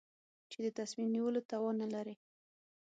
چې د تصمیم نیولو توان نه لري.